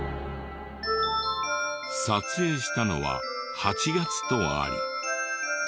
撮影したのは８月とあり。